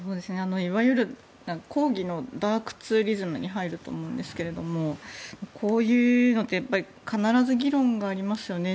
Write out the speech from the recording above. いわゆる広義のダークツーリズムに入ると思うんですけどもこういうのって必ず議論がありますよね。